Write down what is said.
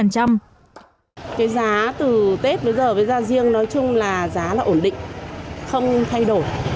cái giá từ tết bây giờ với gia riêng nói chung là giá là ổn định không thay đổi